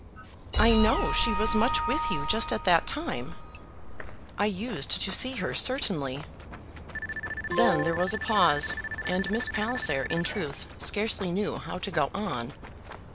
"I know she was much with you, just at that time." "I used to see her, certainly." Then there was a pause, and Miss Palliser, in truth, scarcely knew how to go on.